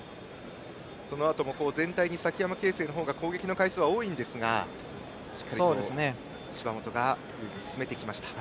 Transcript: そのあとも全体に崎山慶成の方が攻撃の回数は多いんですがしっかり芝本が優位に進めました。